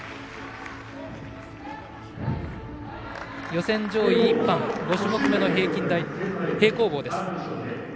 予選上位１班、５種目めの平行棒です。